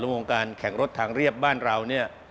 และวงการแข่งรถทางเรียบบ้านเรา